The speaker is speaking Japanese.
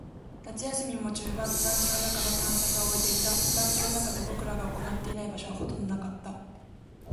夏休みも中盤。団地の中の探索は終えていた。団地の中で僕らが行っていない場所はほとんどなかった。